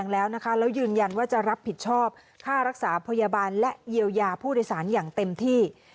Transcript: แล้วยืนยันว่าจะรับผิดชอบค่ารักษาพยาบาลและเยียวยาผู้โดยสารอย่างเต็มที่